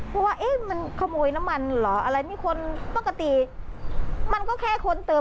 เพราะว่าเอ๊ะมันขโมยน้ำมันเหรออะไรนี่คนปกติมันก็แค่คนเติม